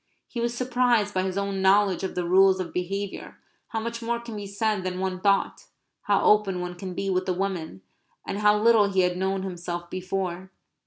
He was surprised by his own knowledge of the rules of behaviour; how much more can be said than one thought; how open one can be with a woman; and how little he had known himself before.